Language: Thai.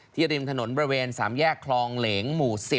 ริมถนนบริเวณ๓แยกคลองเหลงหมู่๑๐